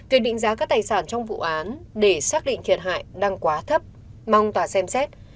việc định giá các tài sản trong vụ án để xác định thiệt hại đang quá thấp mong tòa xem xét